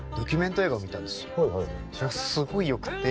それがすごいよくて。